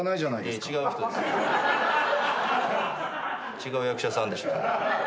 違う役者さんでしょ。